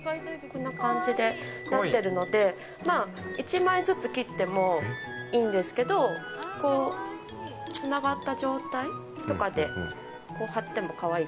こんな感じでなっているので、１枚ずつ切ってもいいんですけど、つながった状態とかで、へー！